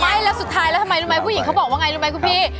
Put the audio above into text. ไม่แล้วสุดท้ายรู้ไหมคุณผู้หญิงเค้าบอกว่าไงรู้ไหมคุณพี่